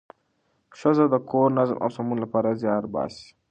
ښځه د کور د نظم او سمون لپاره زیار باسي